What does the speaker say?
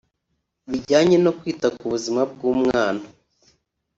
bijyanye no kwita ku buzima bw’umwana